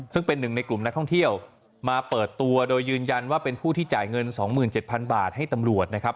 ซึ่งเป็นหนึ่งในกลุ่มนักท่องเที่ยวมาเปิดตัวโดยยืนยันว่าเป็นผู้ที่จ่ายเงิน๒๗๐๐บาทให้ตำรวจนะครับ